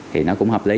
thì nó cũng hợp lý